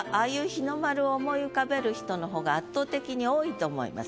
日の丸を思い浮かべる人の方が圧倒的に多いと思います。